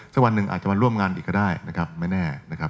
วันหนึ่งอาจจะมาร่วมงานอีกก็ได้นะครับไม่แน่นะครับ